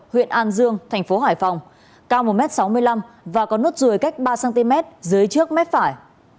huyện an dương thành phố hải phòng cao một m sáu mươi năm và có nốt ruồi cách ba cm dưới trước mép phải